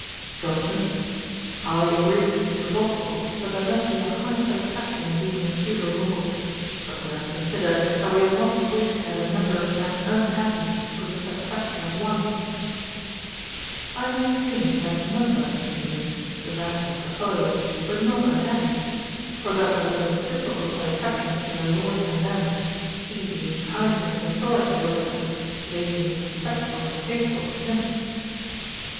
JOHNSON. 'I agree with Mr. Boswell that there must be a high satisfaction in being a feudal Lord; but we are to consider, that we ought not to wish to have a number of men unhappy for the satisfaction of one.' I maintained that numbers, namely, the vassals or followers, were not unhappy; for that there was a reciprocal satisfaction between the Lord and them: he being kind in his authority over them; they being respectful and faithful to him.